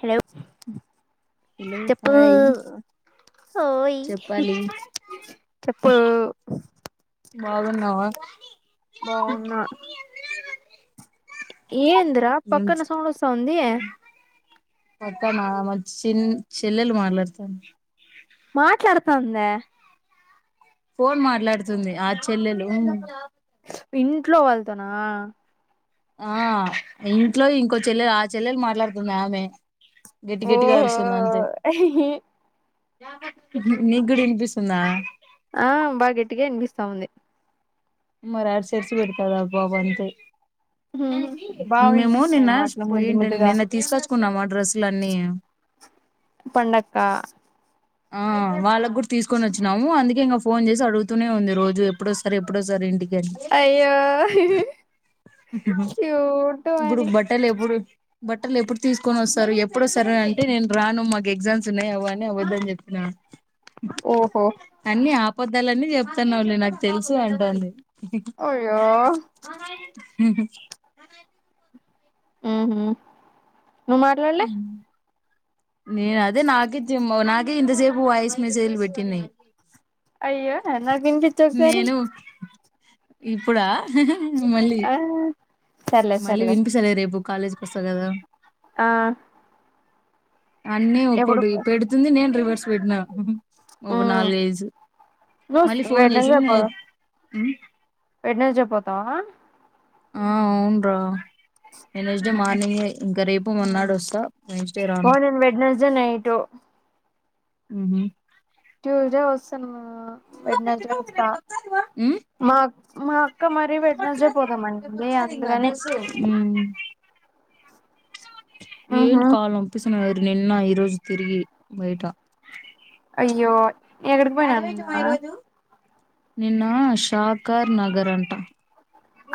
Hello hello చేప్పు hi ఓయి చెప్పాలి చెప్పు బాగున్నావా బావున్నా ఏందిరా ఏం పక్కన సౌండ్ వస్తాఉంది పక్కనా మా మ చిన్ చెల్లెలు మాట్లాడుతుంది మాట్లాడతాందా ఫోన్ మాట్లాడుతుంది ఆ చెల్లెలు ఇంట్లో వాళ్తోన ఆ ఇంట్లో ఇంకో చెల్లెలు ఆ చెల్లెలు మాట్లాడుతుంది ఆమె గెట్టి గెట్టిగా ఓహో అరుస్తుంది అంతే నీక్కుడా ఇనిపిస్తుందా ఆ బా గట్టిగా ఇనిపిస్తా ఉంది మార్ అరుసరిసి పెడతది ఆ పాప అంతే బాగా మేము వినిపిస్తాయి నిన్న మాటలు ముద్దు పోయింటి ముద్దుగా నిన్న తీసుకొచ్చుకున్నాము ఆ డ్రెస్సులు అన్నీ పండక్కా ఆ వాళ్ళకు కూడా తీసుకొని వచ్చినాము అందుకే ఇంకా ఫోన్ చేసి అడుగుతూనే ఉంది రోజు ఎప్పుడొస్తారు ఎప్పుడొస్తారు ఇంటికి అని అయ్యో క్యూట్ ఇప్పుడు అని బట్టలు ఎప్పుడు బట్టలు ఎప్పుడు తీసుకొని వస్తారు ఎప్పుడు వస్తారని అంటే నేను రాను మాకు ఎగ్జామ్స్ ఉన్నాయి అవ్వ అని అబద్ధం చెప్తు అ ఓహో అబద్ధాలన్నీ చెప్తున్నావులే నాకు తెలుసు అంటుంది అయ్యో ఊహూ ఊహూ నువ్ మాట్లాడలా నేను అదే నాకే నాకే ఇంతసేపు వాయిస్ మెసేజ్లు పెట్టింది అయ్యో ఎన నేను ఇప్పుడా మళ్ళీ ఆ సర్లే మళ్ళీ సర్లే వినిపిస్తలే రేపు కాలేజీకి వస్తా కదా ఆ అన్నీ ఎప్పుడు ఒకటి పెడుతుంది నేను రివర్స్ పెట్టినా ఒక ఉమ్ నాలుగు ఐదు నువ్వు మళ్ళీ ఫోన్ వెడ్నెస్డే చేసింది పో నే వెడ్నెస్డే పోతావా ఆ అవును రా వెడ్నెస్డే మార్నింగే ఇంకా రేపు మొన్నాడు వస్తా వెన్స్డే ఓ రాను నేను వెనస్డే నైటు ఉ ట్యూస్డే వస్తాన్నవా వెడ్నెస్డే వస్తా ఉమ్ మా అక్క మరి వెడ్నెస్డే పోదాం అంటుంది అందుకని ఏం ఉహు కాలు నొప్పిస్సాన్నాయ్ నిన్న ఈరోజు తిరిగి బయట అయ్యో ఎక్కడికి పోయినారు నిన్న నిన్న షావ్కార్ నగర్ అంట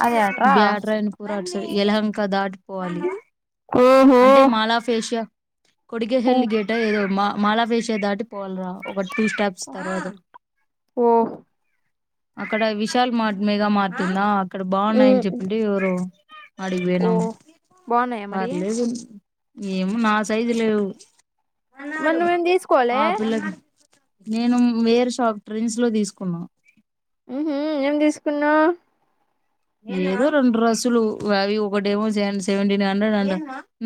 అదే అట్రా బ్యాడ్ రైన్ పుర యలహంక దాటిపోవాలి ఓహో అంటే మాల ఆఫ్ ఏషియా ఉ కొడికేహెల్లి గేటా ఏదో మాల్ ఆఫ్ ఏషియా దాటి పోలరా ఒక టూ స్టార్ ఓ అక్కడ విశాల్ మార్ట్ మెగా మార్ట్ ఉందా అక్కడ ఉ బాగున్నాయని చెప్పింటే ఎవరొ ఆడికి ఓ పోయినాం బాగున్నాయా మరి పర్లేదు ఏమో నా సైజు లేవు మరి డు నువ్వేం తీసుకోలే ఆ పిల్లకి నేను వేర్ షాప్ టెన్స్ లో తీసుకున్న ఊహూ ఏం తీసుకున్నావ్ ఏదో రెండు డ్రస్సులు అవి ఒకటేమో సెవెంటీన్ హండ్రెడ్ అంట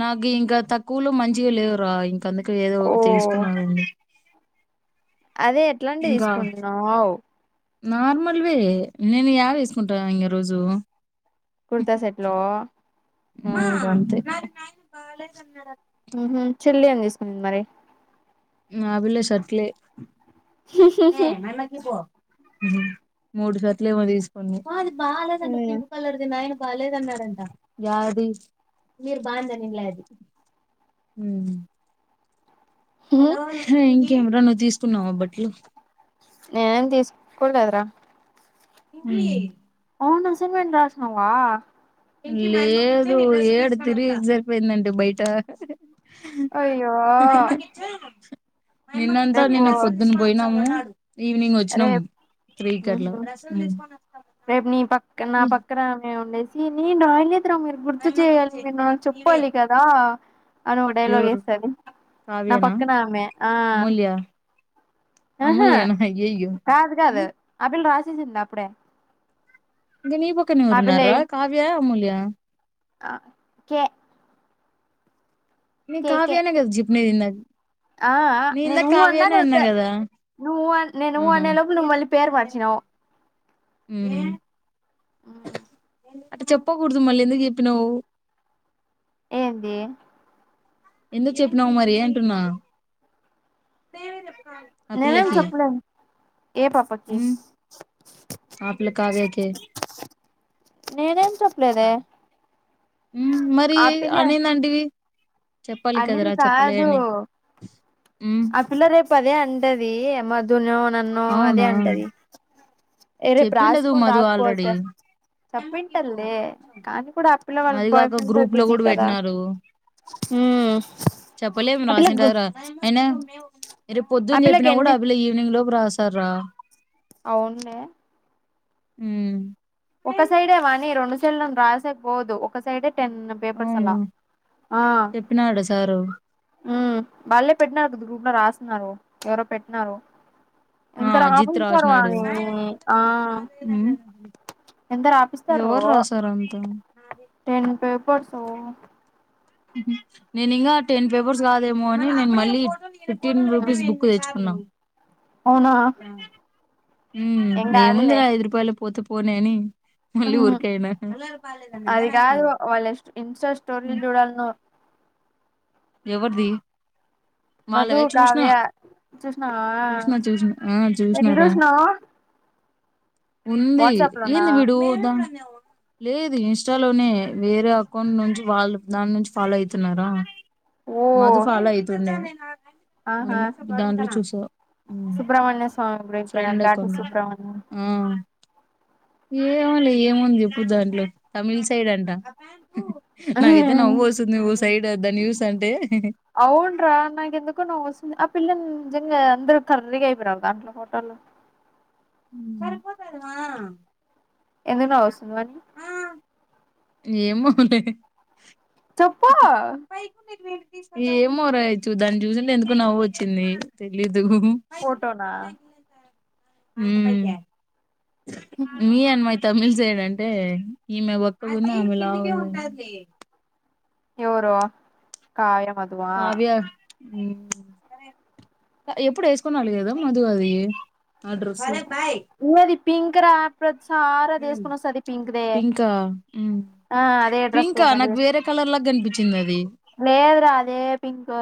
నాకు ఇంకా తక్కువలో మంచిగా లేవురా ఇంక అందుకే ఏదో ఓ తీసుకున్నాను అదే ఎట్లాంటిది తీసుకున్నావు నార్మల్వే నేను అవే వేసుకుంటన్నా రోజు కుర్తా సెట్ లో ఇగ అంతే మ్మ్ చెల్లి ఏం చేస్తుంది మరి మాములు చెట్లే హ్హ్ హ్హ్ హు హ మూడు షర్ట్లు ఏమో తీసుకుంది మీరు బాగుంది అని లే ఇంకేం రా నువ్వు తీసుకున్నావా బట్టలు నేనేం తీసుకోలేదు రా చూపియ్ అవును అసైన్మెంట్ రాసినావా లేదు ఏడు తిరిగి ఎక్సైట్మెంట్ బయట అయ్యో నిన్నంతా రేపు నిన్న పొద్దున్ పోయినాము ఈవినింగ్ వచ్చినాము రేపు త్రీ కట్లా రేపు నీ పక్కన నా పక్కన ఉండే ఇవి రాయన్ మీరు గుర్తు చేయాలి నేను ఆ చెప్పాలి కదా అని ఒక డైలాగ్ ఎవరు వేస్తరు నా కావ్యనా పక్కన ఆమె ఆ అమూల్య ఆహా అమూల్యనా అయ్యయ్యో కాదు కాదు ఆ పిల్ల రాసేసింది అప్పుడే ఇంకా నీ పక్కన ఎవరున్నారు రా కావ్య అమూల్య ఆ ఓకే నీకు కావ్య అనే చెప్పిన ఇందాక ఆ ఆ నేను ఇందాక ఊ అన్నాను కావ్యనే అన్నా అంతే కదా నేను ఊ ఆహా అనే లోపు మళ్ళీ పేరు మార్చినవ్ మ్మ్ ఆ అట్ట చెప్పకూడదు మళ్ళీ ఎందుకు చెప్పినవ్ ఏ ఎందుకు చెప్పినావు మరి అంటున్నా ఆ నేనేం పిల్లకి చెప్పలేను ఏ పాపకి ఉమ్ ఆ పిల్ల కావ్య కే నేనేం చెప్పలేదే మరి ఆ పిల్ల అనింది అంటివి అనింది కాదు ఉమ్ ఆ పిల్ల రేపు అదే అంటది మధ్యలో నన్ను అదే అవునా అంటది రేపు చెప్పిండదు రాసుకొని మధు ఆల్రెడీ రాకపోతే చెప్పి ఉంటదులే కానీ కూడా ఆ పిల్లవాళ్ళ బాయ్ అదిగాక ఫ్రెండ్తో బిజీ కదా ఉమ్ చెప్పలేము ఆ పిల్లకు రాసింటదో అయినా రేపు ఆ పొద్దున పిల్లకు చెప్పినా కూడా ఎన్ని ఆ పిల్ల ఈవెనింగ్ లోపు రాస్తాధి రా అవును లే మ్మ్ ఒక సైడే వాణి రెండు సైడ్ రాసేకి పోదు ఒక సైడే టెన్ పేపర్స్ అవును అలా చెప్పినాడు సారు మ్మ్ వాళ్ళే పెట్టినారు కదా గ్రూప్ లో రాస్తున్నారు ఎవరో పెట్టినారు ఆ ఎంత అజిత్ రాపించారు రాసినాడు వాణీ ఆ ఉమ్ ఎంత రాపిస్తారో ఎవరు రాసారు అంతా టెన్ పేపర్స్ నేను ఇంకా టెన్ పేపర్స్ కాదేమో అని నేను మళ్ళీ న్ రూపీస్ బుక్ తెచ్చుకున్నాం అవునా హు ఏం కాదులే ఏముందిరా ఐదు రూపాయలు పోతే పోనే అని మళ్ళీ ఉహు ఊరికే అయినా అది కాదు వాళ్ళ ఇన్స్టా స్టోరీలు చూడాలను ఎవరిది మధు వాళ్ళవే చూసిన కావ్య చూసినవా చూసిన చూసిన ఆ ఎట్లా చూసినారా చూస్నావ్ ఉంది ఏంది విడు దా లేదు ఇంస్టాలోనే వేరే అకౌంట్ నుంచి వాళ్ళు దాని నుంచి ఫాలో అయితున్నారా ఓ మధు ఫాలో అయితుండ అందుకు దాంట్లో చూసా సుబ్రమణ్య స్వామి ఇప్పుడు ఆయిపోయినారు ఫ్రెండ్ ఘాటు అకౌంట్ సుబ్రమణ్యం ఆ ఏమోలే ఏముంది ఇప్పుడు దాంట్లో తమిళ సైడ్ అంట నాకైతే నవ్వు వస్తుంది ఓ సైడ్ దాన్ని చూస్తంటే అవునురా నాగెందుకో నా ఆ పిల్లని నిజంగా అందరు కర్రీ గా అయిపోయారు దాంట్లో పోటోల్లో హు సరిపోతాది మా ఎందుకు అవసరమా ఆ ఏమోలే చెప్పు హుహూ పైకు [unintelligible] ఏమో రయచ్చు దాన్ని చూసింటే ఎందుకు నవ్వు వచ్చింది తెలీదు హు ఫోటోనా హు హూ మీ అమ్మాయి తమిళ్ సైడ్ అంటే ఈమె బక్కగా వుంది ఆమె లావు ఎవరు కావ్య మధు ఆ హు ఎప్పుడు వేసుకునీ రాలే కదా మధు అది అడ్రస్సు అది పింక్ రా ప్రతి సారీ అదే వేసుకుని వస్తుంది పింక్ దే పింకా హు ఆ అదే డ్రెస్ పింకా నాకు వేరే కలర్ లా కనిపించింది అది లేేదు రా అదే పింకు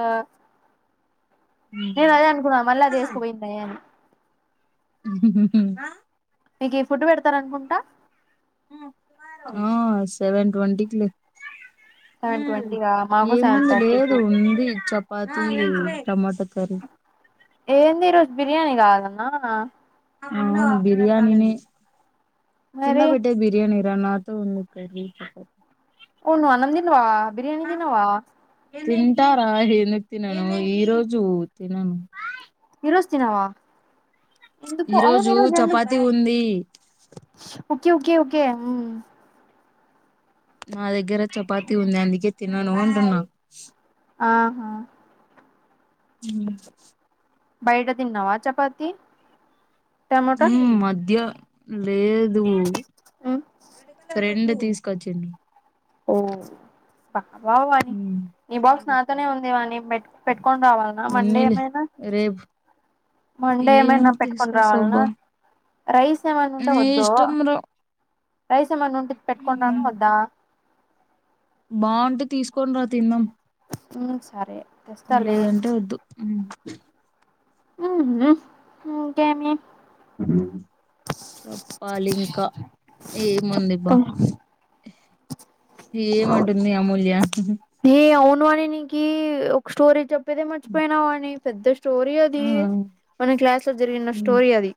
నేను అదే అనుకున్నా మళ్ళీ అదే వేసుకుపోయిందని ఉమ్. మీక ఏ ఫుడ్ పెడతారనుకుంటా ఆ సెవెన్ ట్వంటీ కి లే సెవెన్ ట్వంటీగా మాకు సెవెన్ ఏముంది థర్టీకు లేదు ఉంది చెప్ప పాతుంది టమాటో కర్రీ బిర్యాని కాదు అన్నా బిర్యానీ నే కింద మరి పెట్టే బిర్యానీ ఏ నాతో ఉంది కర్రీ చెప్పొద్దు నువ్వు అన్నం తిన్నావా బిర్యానీ తిన్నవా తింటారా ఏందుకు తినను ఈ రోజు తినను ఈ రోజు తినవా ఎందుకు ఈ అవును రోజు ఈరోజు ఎందుకు చపాతి ఉంది ఓకే ఓకే ఓకే నా దగ్గర చపాతి ఉంది అందుకే తినను అంటున్నా ఆహా ఉ బయట తిన్నావా చపాతి టమోటా మధ్య లేదు మ్మ్ ఫ్రెండ్ తీసు కచ్చింది ఓ బాయ్ వాని ఈ బాక్స్ నాతోనే ఉందివాని పెట్ పెట్టుకొని రావాల మండే ఉన్నిలే ఏమైనా రేపు మండే ఏం ఏమైనా పెట్టుకొని రావా ల్ తీసుకొస్తావ్ న బా రైస్ ఏమన్నా ఉంటే నీ వద్దు ఇష్టం రా రైస్ ఏమన్నా ఉంటే పెట్టుకోని రాల్ల వద్దా బాగుంటే తీసుకోని రా తిన్నాం ఉ సరే తెస్తాలే లేదంటే వద్దు ఊహు ఇంకేమి ఊ చెప్పాలి ఇంక ఏముంది బ్బా ఏమంటుంది మీ అమూల్య ఏ అవును వాని నీకి ఒక స్టోరీ చెప్పేదే మర్చిపోయిన వాని పెద్ద స్టోరీ అది ఆ మన క్లాస్ లో జరిగిన స్టోరీ అది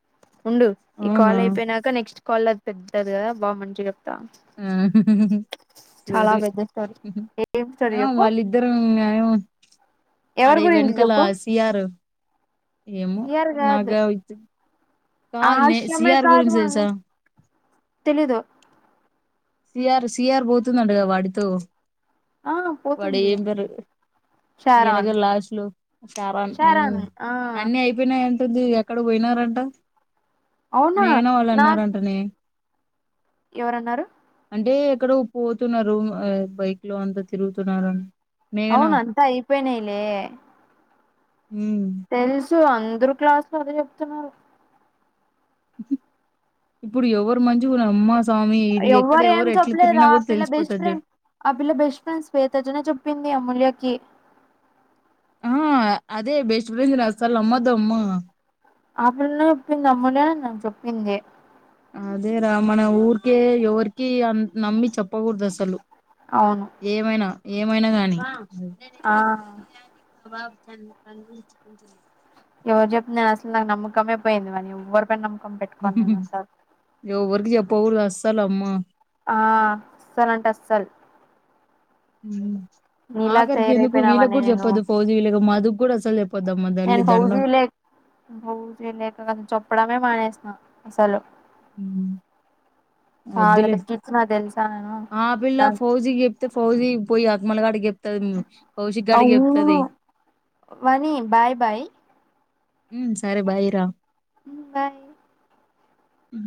ఉండు ఈ అవునా కాల్ అయిపోయినాక నెక్ట్ కాళ్ళది చెప్తది కదా బాగా మంచిగా ఆ చాలా సరే పెద్ద స్టోరీ ఏం స్టోరీ ఆ చెప్పు వాళ్ళ ఇద్దరు అన్నా యారు ఆడ ఎవరి గురించి వెనుకల చెప్పు సీ ఆర్ ఏమో సిఆర్ కాదు నాగా యి త్తే ఆశ్రమే కాదు వాని తెలుసా తెలీదు సిఆర్ సిఆర్ పోతుందండగా వాడితో ఆ పోతుంది ఈనగ షారాన్ లాస్ట్ లో సారన్ షారాన్ ఆ అన్ని అయిపోయినాయి అది ఎక్కడ పోయినారంట అవునా నేనా వాళ్ళు నాకు అన్నారంట నే ఎవరన్నారు అంటే ఎక్కడో పోతున్నారు బైక్ లో అంతా తిరుగుతున్నారు అని అవునా అంత అయిపోనాయిలే ఊ అందరు క్లాసు లో అదే చెప్తున్నారు ఇప్పుడు ఎవరు మంచిగున్నారు అమ్మా స్వామి ఇది ఎక్కడ ఎవ్వరు ఏం ఎవరు ఎట్లా చెప్పలేదా తిరిగినా ఆ కూడా పిల్ల బెస్ట్ తెలిసిపోతది ఫ్రెండ్ చూడు ఆ పిల్ల బెస్ట్ ఫ్రెండ్ స్వే తజనే చెప్పింది అమూల్యకి ఆ అదే బెస్ట్ ఫ్రెండ్ ని అస్సలు నమ్మద్ద అమ్మా ఆ పిల్లనే చెప్పింది అమూల్య నే చెప్పింది అదే రా మన ఊరికే ఎవరికి అ నమ్మి చెప్పకూడదు అసలు అవును ఏమైనా ఏమైనా గాని ఆ [inaudible] ఎవరు చెతున్నాను అసలు నాకు నమ్మకంమొ పోయిందినివ ర నమ్ ఎవరికి చెప్పావు అసల అమ్మ ఆ అసలుంటే అస్సలు ఉ నీలాగ ఆఖరికి ఎందుకు వీళ్ళకి తయారైపోయినావని కూడా నేను చెప్పొద్దు ఫౌజ్ వీళ్ళకి మాధకు కూడా అసలు చెప్పొద్దమ్ దల్లి దండం బో చేయలేక కదా చొప్పడమే మానేసా అసలు హ చాలా వద్దులే తగ్గించిన తెలుసా నేను ఆ పిల్ల నాకు ఫౌజీ చెప్తే ఫౌజీ పోయి ఆత్మలగాడికి చెప్తది కౌశిక్ గాడికి అవును చెప్తది వానీ బాయ్ బయ్ ఉ సరే బైరా బాయ్ అ